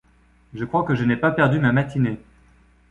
Je crois que je n’ai pas perdu ma matinée.